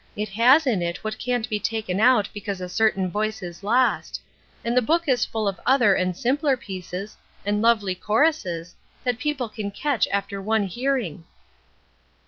It has in it what can't be taken out because a certain voice is lost; and the book is full of other and simpler pieces, and lovely choruses, that people can catch after one hearing."